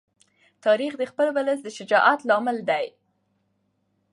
تاریخ د خپل ولس د شجاعت لامل دی.